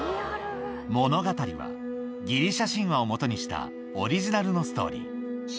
物語は、ギリシャ神話を基にしたオリジナルのストーリー。